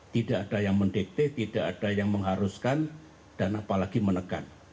tidak ada yang mendikte tidak ada yang mengharuskan dan apalagi menekan